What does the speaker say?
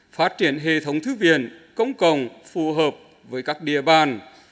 phát triển hệ thống thư viện công cộng phù hợp với các địa bàn